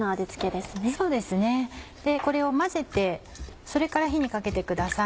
でこれを混ぜてそれから火にかけてください。